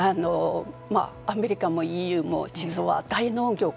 アメリカもＥＵも実は大農業国